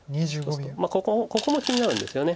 ここも気になるんですよね。